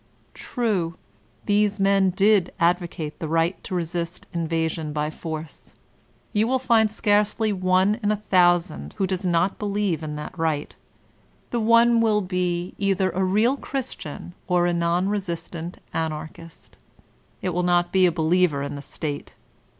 True, these men did advocate the right to resist invasion by force. You will find scarcely one in a thousand who does not believe in that right. The one will be either a real The Eleventh of November, 1887 171 Christian or a non resistant Anarchist. It will not be a believer in the State.